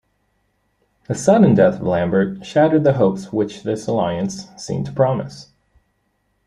The sudden death of Lambert shattered the hopes which this alliance seemed to promise.